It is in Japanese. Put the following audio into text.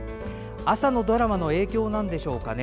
朝のドラマの影響でしょうかね。